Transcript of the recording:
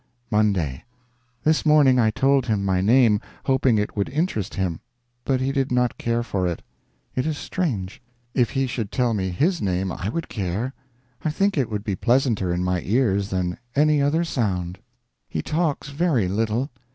MONDAY. This morning I told him my name, hoping it would interest him. But he did not care for it. It is strange. If he should tell me his name, I would care. I think it would be pleasanter in my ears than any other sound. He talks very little.